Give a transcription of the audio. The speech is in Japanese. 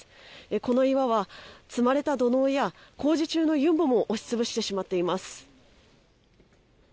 この岩は積まれた土嚢や工事中の湯も押しつぶしてしまっています。